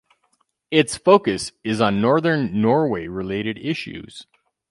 Its focus is on Northern Norway-related issues.